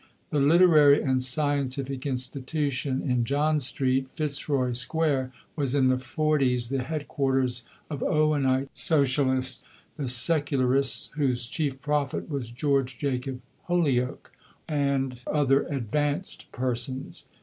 "The Literary and Scientific Institution" in John Street, Fitzroy Square, was in the 'forties the headquarters of Owenite Socialists, the Secularists (whose chief prophet was George Jacob Holyoake) and other "advanced" persons.